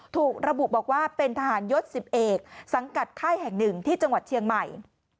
ถูกระบุบอกว่าเป็นทหารยศ๑๑สังกัดค่ายแห่งหนึ่งที่จังหวัดเชียงใหม่